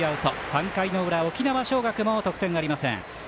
３回の裏、沖縄尚学も得点ありません。